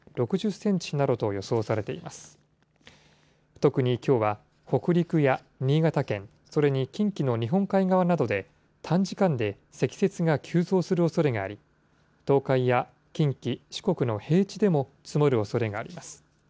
特にきょうは、北陸や新潟県、それに近畿の日本海側などで短時間で積雪が急増するおそれがあり、東海や近畿、四国の平地でも積もるおそれがあります。